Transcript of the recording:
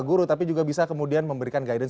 guru tapi juga bisa kemudian memberikan guidance